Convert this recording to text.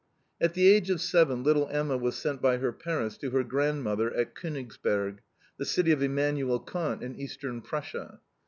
At the age of seven little Emma was sent by her parents to her grandmother at Konigsberg, the city of Emanuel Kant, in Eastern Prussia.